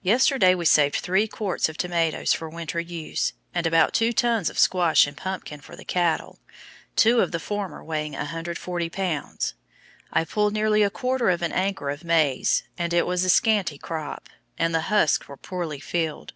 Yesterday we saved three cwt. of tomatoes for winter use, and about two tons of squash and pumpkin for the cattle, two of the former weighing 140 lbs. I pulled nearly a quarter of an acre of maize, but it was a scanty crop, and the husks were poorly filled.